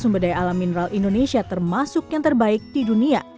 sumber daya alam mineral indonesia termasuk yang terbaik di dunia